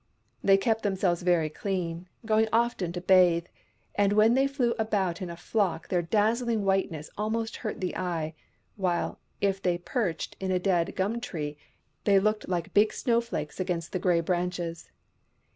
They kept themselves very clean, going often to bathe ; and when they flew about in a flock their dazzling whiteness almost hurt the eye, while, if they perched in a dead gum tree, they looked like big snowflakes against the grey branches.